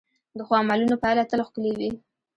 د ښو عملونو پایله تل ښکلې وي.